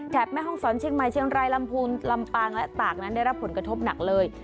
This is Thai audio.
แถบแม่ห้องซ้อนชิงหมาเชียงรายลำภูเหมือนรำปากนะได้รับผลกระทบหนักเลย